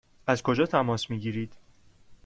از کجا تماس می گیرید؟